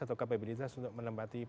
atau kapabilitas untuk menempati